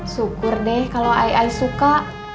syukur deh kalau ai ai suka